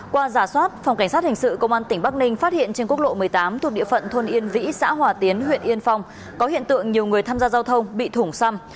qua giả soát phòng cảnh sát hình sự công an tỉnh bắc ninh phát hiện trên quốc lộ một mươi tám thuộc địa phận thôn yên vĩ xã hòa tiến huyện yên phong có hiện tượng nhiều người tham gia giao thông bị thủng xăm